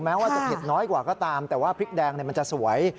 ว่าจะเผ็ดน้อยกว่าก็ตามแต่ว่าพริกแดงมันจะสวย